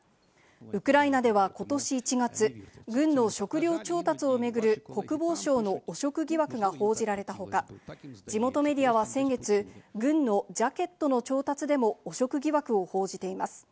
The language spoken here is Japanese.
ウクライナではことし１月、軍の食料調達を巡る国防省の汚職疑惑が報じられた他、地元メディアは先月、軍のジャケットの調達でも汚職疑惑を報じています。